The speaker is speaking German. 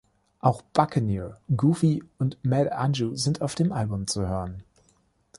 Auch Buccaneer, Goofy und Mad Anju sind auf dem Album zu hören.